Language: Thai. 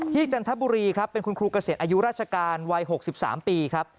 จันทบุรีครับเป็นคุณครูเกษียณอายุราชการวัย๖๓ปีครับ